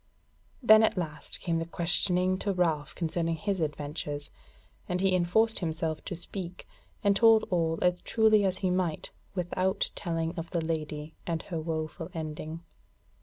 Then at last came the question to Ralph concerning his adventures, and he enforced himself to speak, and told all as truly as he might, without telling of the Lady and her woeful ending.